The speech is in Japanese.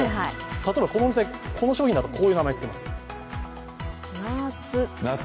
例えばこのお店、この商品だと、こういう名前をつけます。